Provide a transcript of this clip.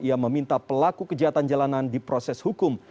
ia meminta pelaku kejahatan jalanan di proses hukum